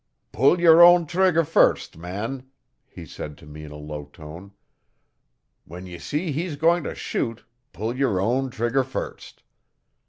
'Pull your own trigger first, man,' he said to me in a low tone. 'When ye see he's going to shoot, pull your own trigger first.